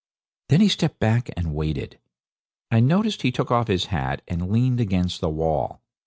Then he stepped back and waited. I noticed he took off his hat and leaned against the wall.